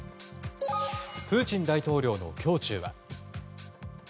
プーチン大統領の胸中は。